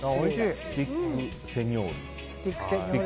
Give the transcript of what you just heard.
スティックセニョール。